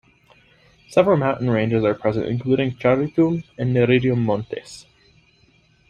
Several mountain ranges are present, including Charitum and Nereidum Montes.